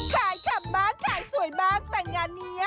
ขายกลับบ้านขายสวยมากแต่งานนี้